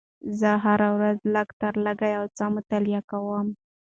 زه هره ورځ لږ تر لږه یو څه مطالعه کوم